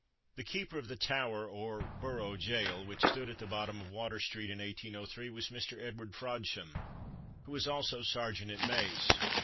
The keeper of the Tower or Borough Gaol, which stood at the bottom of Water street in 1803, was Mr. Edward Frodsham, who was also sergeant at mace.